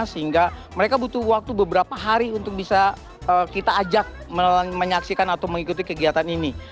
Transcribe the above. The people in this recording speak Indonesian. sehingga mereka butuh waktu beberapa hari untuk bisa kita ajak menyaksikan atau mengikuti kegiatan ini